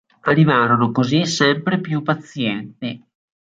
Arrivarono così sempre più pazienti.